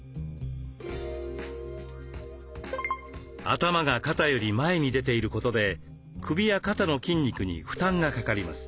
頭が肩より前に出ていることで首や肩の筋肉に負担がかかります。